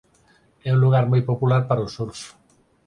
É un lugar moi popular para o surf.